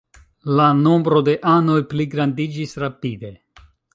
La nombro de anoj pligrandiĝis rapide.